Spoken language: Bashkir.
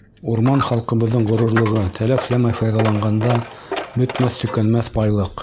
Урман — халҡыбыҙҙың ғорурлығы, тәләфләмәй файҙаланғанда, бөтмәҫ-төкәнмәҫ байлыҡ.